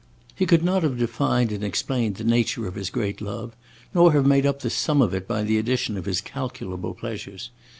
He could not have defined and explained the nature of his great love, nor have made up the sum of it by the addition of his calculable pleasures.